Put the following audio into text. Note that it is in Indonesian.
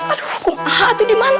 aduh kumaha itu diman